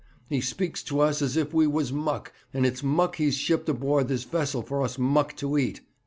He speaks to us as if we was muck, and it's muck he's shipped aboard this vessel for us muck to eat.'